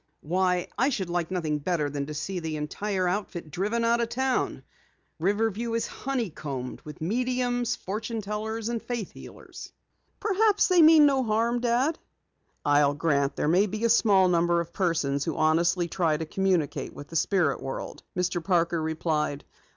Why, I should like nothing better than to see the entire outfit driven out of town! Riverview is honeycombed with mediums, fortune tellers and faith healers!" "Perhaps they mean no harm, Dad." "I'll grant there may be a small number of persons who honestly try to communicate with the spirit world," Mr. Parker replied.